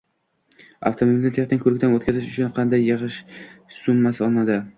Avtomobilni texnik ko‘rikdan o‘tkazish uchun qanday yig‘im summasi olinadi?